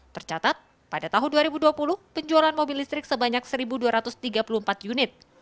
tercatat pada tahun dua ribu dua puluh penjualan mobil listrik sebanyak satu dua ratus tiga puluh empat unit